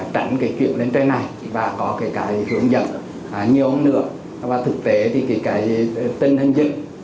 đánh cái chuyện lên trên này và có cái cái hướng dẫn nhiều hơn nữa và thực tế thì cái cái tinh hình dịch